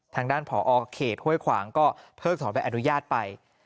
ทางด้านผอเขตห้วยขวางก็เพิ่งถอนใบอนุญาตไป